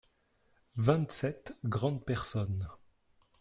vingt sept grandes personnes.